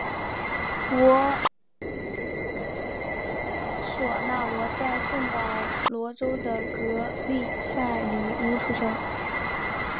博索纳罗在圣保罗州的格利塞里乌出生。